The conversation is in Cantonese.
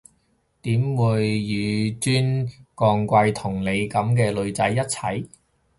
點會紓尊降貴同你啲噉嘅女仔一齊？